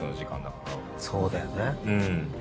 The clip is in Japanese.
そうだよね。